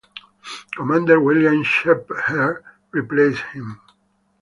Commander William Shepheard replaced him.